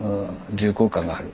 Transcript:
重厚感がある。